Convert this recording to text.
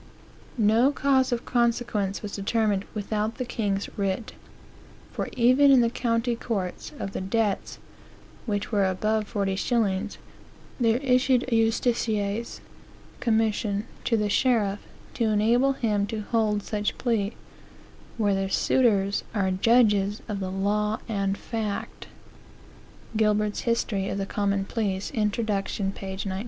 "No cause of consequence was determined without the king's writ; for even in the county courts, of the debts, which were above forty shillings, there issued a Justicies (commission) to the sheriff, to enable him to hold such plea, where the suitors are judges of the law and fact." Gilbert's History of the Common Pleas, Introduction, p. 19.